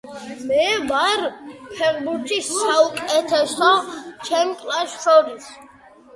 გამონაკლისს მხოლოდ მჭიდროდ დასახლებული კუნძულები შეადგენენ.